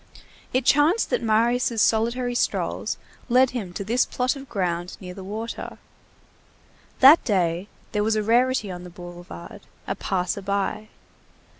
It chanced that Marius' solitary strolls led him to this plot of ground, near the water. That day, there was a rarity on the boulevard, a passer by.